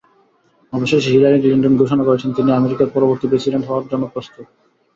অবশেষে Hillary Clinton ঘোষণা করেছেন, তিনি আমেরিকার পরবর্তী প্রেসিডেন্ট হওয়ার জন্য প্রস্তুত।